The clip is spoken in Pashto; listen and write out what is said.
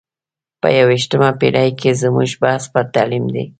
په یو ویشتمه پېړۍ کې زموږ بحث پر تعلیم دی.